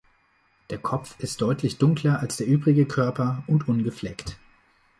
Der Kopf ist deutlich dunkler als der übrige Körper und ungefleckt.